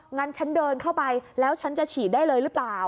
งั้นฉันเดินเข้าไปแล้วฉันจะฉีดได้เลยหรือเปล่า